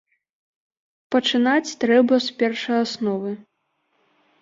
Пачынаць трэба з першаасновы.